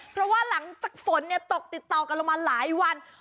เพราะว่าหลังจากฝนตกติดต่อกันลงมาหลายวัน